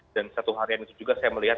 dan satu harian itu juga saya melihat